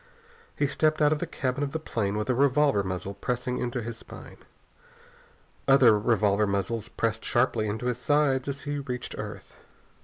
He stepped out of the cabin of the plane with a revolver muzzle pressing into his spine. Other revolver muzzles pressed sharply into his sides as he reached earth.